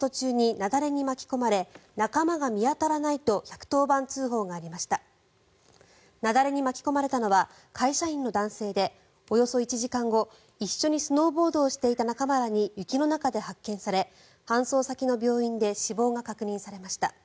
雪崩に巻き込まれたのは会社員の男性でおよそ１時間後一緒にスノーボードをしていた仲間らに雪の中で発見され搬送先の病院で死亡が確認されました。